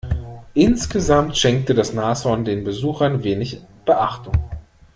Insgesamt schenkte das Nashorn den Besuchern wenig Beachtung.